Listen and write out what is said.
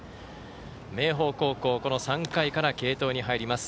明豊高校、３回から継投に入ります。